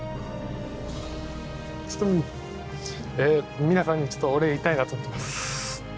ちょっと皆さんにお礼言いたいなと思ってます